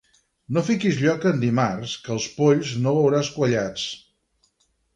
No fiquis lloca en dimarts, que els polls no veuràs quallats.